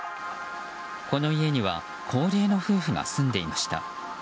この家には高齢の夫婦が住んでいました。